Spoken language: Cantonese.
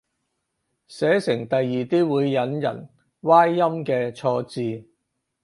寫成第二啲會引人歪音嘅錯字